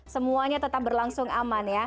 semuanya tetap berlangsung aman ya